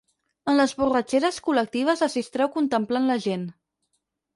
En les borratxeres col·lectives es distreu contemplant la gent.